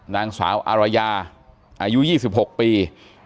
นางสาวอารยาอายุ๒๖ปี